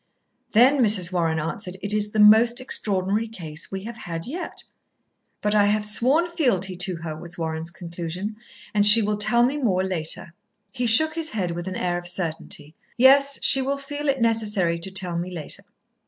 "Then," Mrs. Warren answered, "it is the most Extraordinary Case we have had yet." "But I have sworn fealty to her," was Warren's conclusion. "And she will tell me more later." He shook his head with an air of certainty. "Yes, she will feel it necessary to tell me later."